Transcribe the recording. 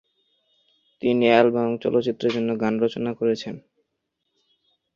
তিনি অ্যালবাম এবং চলচ্চিত্রের জন্য গান রচনা করেছেন।